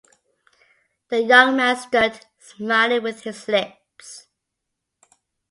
The young man stood, smiling with his lips.